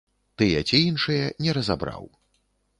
Тыя ці іншыя, не разабраў.